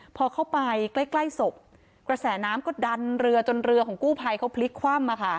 พอเข้าไปใกล้ใกล้ศพกระแสน้ำก็ดันเรือจนเรือของกู้ภัยเขาพลิกคว่ำ